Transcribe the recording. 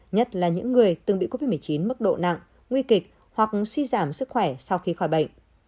nhất là những người từng bị covid một mươi chín mức độ nặng nguy kịch hoặc suy giảm sức khỏe sau khi khỏi bệnh